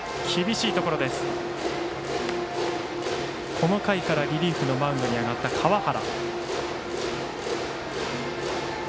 この回からリリーフのマウンドに上がった川原。